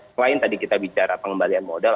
selain tadi kita bicara pengembalian modal